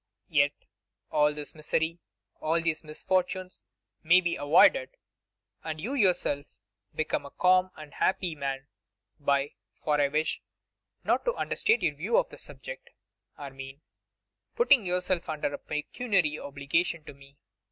'Yet all this misery, all these misfortunes, may be avoided, and you yourself become a calm and happy man, by for I wish not to understate your view of the subject, Armine putting yourself under a pecuniary obligation to me.